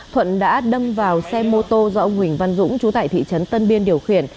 thuận đã đâm vào xe mô tô do ông huỳnh văn dũng chú tại thị trấn tân biên điều khiển